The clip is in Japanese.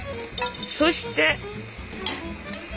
そして。